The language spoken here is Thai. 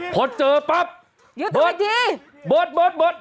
พอเจอปั๊บเบิร์ตเบิร์ตเบิร์ตเบิร์ต